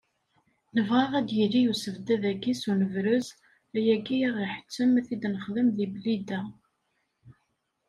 Nebɣa ad yili usebddad-agi s unedrez, ayagi ad aɣ-iḥettem ad t-id-nexdem deg Blida.